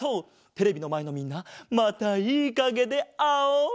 テレビのまえのみんなまたいいかげであおう！